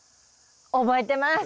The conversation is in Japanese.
覚えてます！